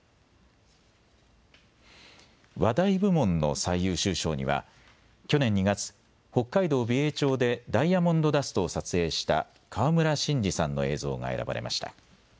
話題部門の最優秀賞には去年２月、北海道美瑛町でダイヤモンドダストを撮影した川村伸司さんの映像が選ばれました。